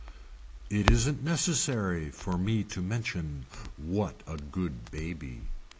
It isn't necessary for me to mention what a good baby.